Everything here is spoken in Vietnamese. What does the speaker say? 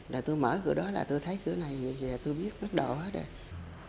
rồi tôi mở cửa đó là tôi thấy cửa này rồi tôi biết mất đồ hết rồi